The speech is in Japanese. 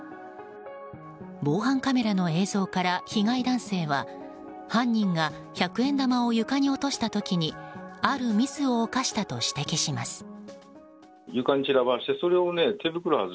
防犯カメラの映像から被害男性は犯人が百円玉を床に落とした時にあるミスを犯したと指摘します。